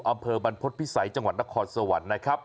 อำเภอบรรพฤษภิษัยจังหวัดนครสวรรค์นะครับ